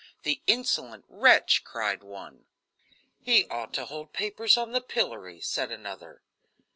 "The insolent wretch!" cried one. "He ought to hold papers on the pillory," said another.